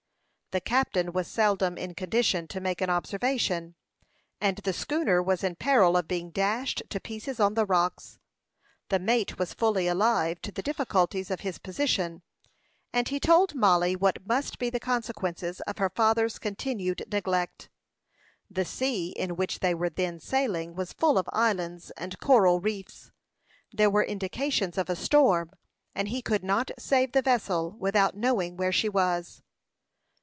The captain was seldom in condition to make an observation, and the schooner was in peril of being dashed to pieces on the rocks. The mate was fully alive to the difficulties of his position; and he told Mollie what must be the consequences of her father's continued neglect. The sea in which they were then sailing was full of islands and coral reefs. There were indications of a storm, and he could not save the vessel without knowing where she was.